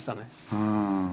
うん。